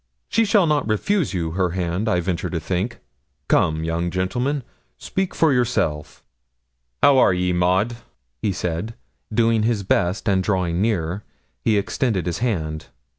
She'll not refuse you her hand, I venture to think. Come, young gentleman, speak for yourself.' 'How are ye, Maud?' he said, doing his best, and drawing near, he extended his hand.